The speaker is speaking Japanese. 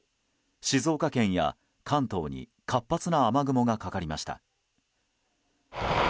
静岡県や関東に活発な雨雲がかかりました。